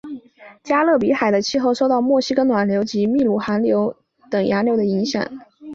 加勒比海的气候受到墨西哥湾暖流及秘鲁寒流等洋流的影响。